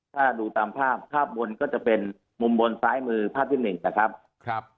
ถ้าดูตามภาพภาพบนก็จะเป็นมุมบนซ้ายมือภาพที่หนึ่งนะครับครับ